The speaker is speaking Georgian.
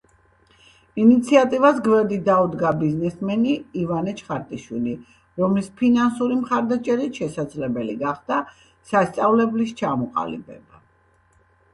ინიციატივას გვერდით დაუდგა ბიზნესმენი ივანე ჩხარტიშვილი, რომლის ფინანსური მხარდაჭერით შესაძლებელი გახდა სასწავლებლის ჩამოყალიბება.